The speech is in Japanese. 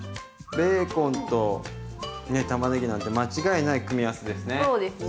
ベーコンと玉ねぎなんて間違いない組み合わせですね。